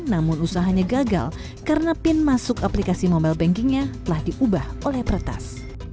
namun usahanya gagal karena pin masuk aplikasi mobile bankingnya telah diubah oleh peretas